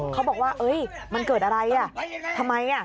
เขาบอกว่ามันเกิดอะไรอ่ะทำไม